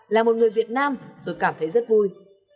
là một người việt nam tôi cảm thấy rất vui